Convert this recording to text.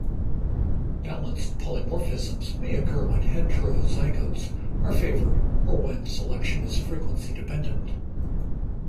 Balanced polymorphisms may occur when heterozygotes are favored or when selection is frequency dependent.